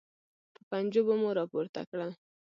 په پنجو به مو راپورته کړل.